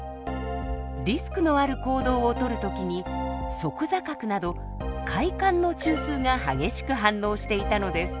リスクのある行動を取る時に側坐核など快感の中枢が激しく反応していたのです。